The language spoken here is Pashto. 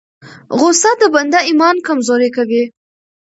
غصه د بنده ایمان کمزوری کوي.